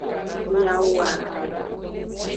Nyawoa.